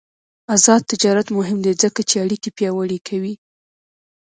آزاد تجارت مهم دی ځکه چې اړیکې پیاوړې کوي.